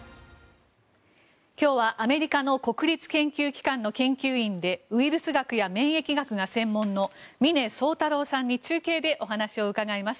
今日はアメリカの国立研究機関の研究員でウイルス学や免疫学が専門の峰宗太郎さんに中継でお話を伺います。